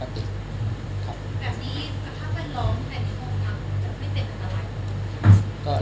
แบบนี้กระทั่งว่างเหลางหวายท้องกลางจะเป็นเป็นอะไร